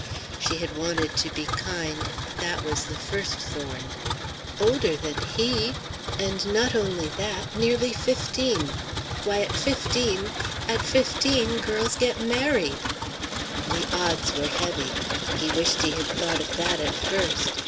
She had wanted to be kind, but that was the first thorn. Older than he! And not only that; nearly fifteen! Why, at fifteen at fifteen girls get married! The odds were heavy. He wished he had thought of that at first.